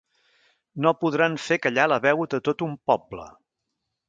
No podran fer callar la veu de tot un poble!